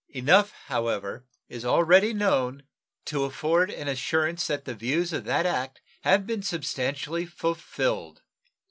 Enough, however, is known already to afford an assurance that the views of that act have been substantially fulfilled.